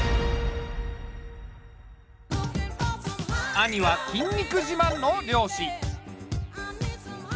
兄は筋肉じまんの漁師。